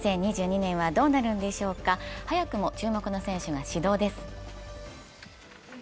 ２０２２年はどうなるんでしょうか、早くも注目の選手が始動です。